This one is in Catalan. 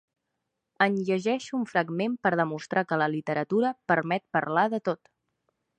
En llegeixo un fragment per demostrar que la literatura permet parlar de tot.